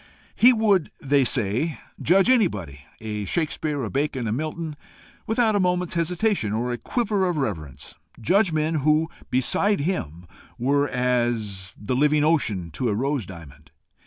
He would, they said, judge anybody a Shakespeare, a Bacon, a Milton without a moment's hesitation or a quiver of reverence judge men who, beside him, were as the living ocean to a rose diamond.